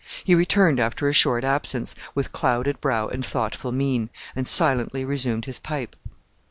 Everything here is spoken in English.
He returned after a short absence, with clouded brow and thoughtful mien, and silently resumed his pipe.